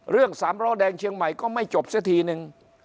เรื่องสามร้อแดงเชียงใหม่ก็ไม่จบซะทีนึง